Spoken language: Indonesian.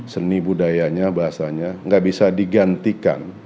seni budayanya bahasanya nggak bisa digantikan